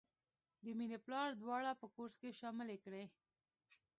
د مینې پلار دواړه په کورس کې شاملې کړې